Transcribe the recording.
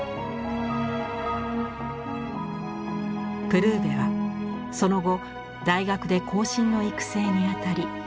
プルーヴェはその後大学で後進の育成にあたり